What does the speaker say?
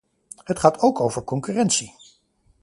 Het gaat ook over concurrentie.